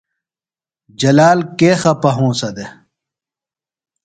جلال کے خپہ ہونسہ دےۡ؟